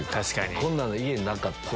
こんなの家になかった。